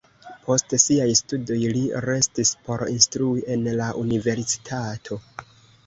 Post siaj studoj li restis por instrui en la universitato.